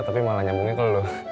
tapi malah nyambungin ke lu